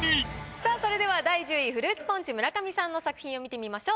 さぁそれでは第１０位フルーツポンチ・村上さんの作品を見てみましょう。